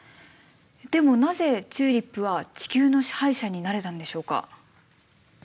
でもなぜチューリップは地球の支配者になれたんでしょうか。